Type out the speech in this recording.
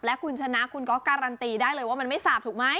และคุณชนะคุณก็การันตีได้เลยว่ามันไม่สาบถูกไหม